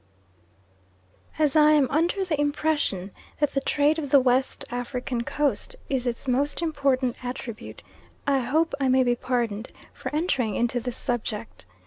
As I am under the impression that the trade of the West African Coast is its most important attribute, I hope I may be pardoned for entering into this subject.